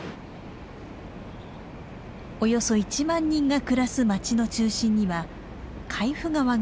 およそ１万人が暮らす町の中心には海部川が流れています。